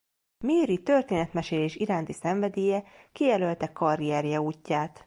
Mary történetmesélés iránti szenvedélye kijelölte karrierje útját.